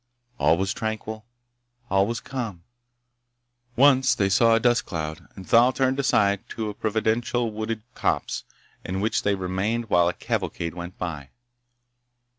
All was tranquil. All was calm. Once they saw a dust cloud, and Thal turned aside to a providential wooded copse, in which they remained while a cavalcade went by.